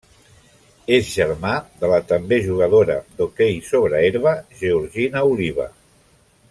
És germà de la també jugadora d'hoquei sobre herba Georgina Oliva.